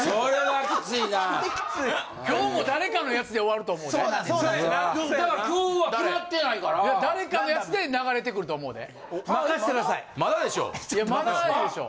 いや誰かのやつで流れてくると思うで。